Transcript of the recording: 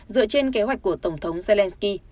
dựa trên kế hoạch của tổng thống zelenskyy